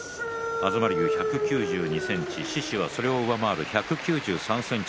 東龍は１９２ｃｍ、獅司はそれを上回る１９３ｃｍ。